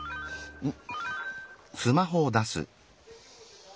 うん。